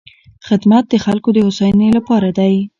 خدمت د خلکو د هوساینې لپاره دی.